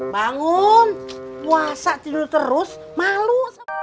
bangun puasa tidur terus malu